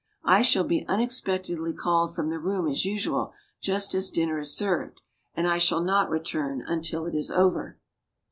I I shall be un expectedly called from the room, as usual, just as din ner is served. And I shall not return until it is over.